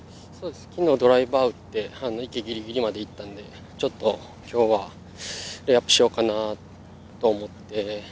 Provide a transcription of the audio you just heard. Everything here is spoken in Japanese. ドライバーを打って、池ギリギリまで行ったので、ちょっときょうはレイアップしようかなと思って。